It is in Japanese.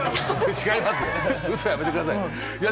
違いますよ、ウソやめてください。